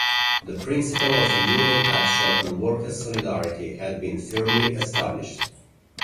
The principle of union action and workers' solidarity had been firmly established.